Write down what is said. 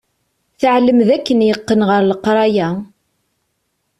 Teɛlem d akken yeqqen ɣer leqraya.